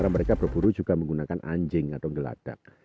mereka berburu juga menggunakan anjing atau geladak